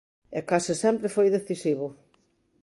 E case sempre foi decisivo.